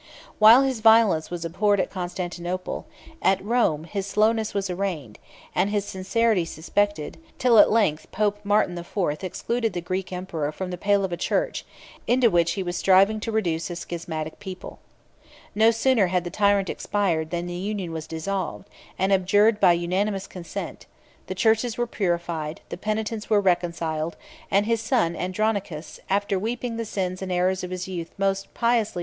While his violence was abhorred at Constantinople, at Rome his slowness was arraigned, and his sincerity suspected; till at length Pope Martin the Fourth excluded the Greek emperor from the pale of a church, into which he was striving to reduce a schismatic people. No sooner had the tyrant expired, than the union was dissolved, and abjured by unanimous consent; the churches were purified; the penitents were reconciled; and his son Andronicus, after weeping the sins and errors of his youth most piously denied his father the burial of a prince and a Christian.